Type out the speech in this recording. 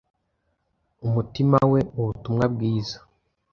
umutima we ubutumwa bwiza